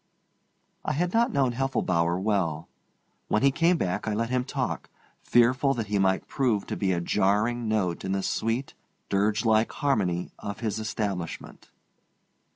I had not known Heffelbower well. When he came back, I let him talk, fearful that he might prove to be a jarring note in the sweet, dirgelike harmony of his establishment.